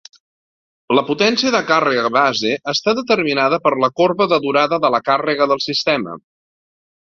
La potència de càrrega base està determinada per la corba de durada de la càrrega del sistema.